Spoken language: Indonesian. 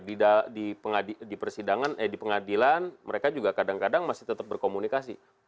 di pengadilan mereka juga kadang kadang masih tetap berkomunikasi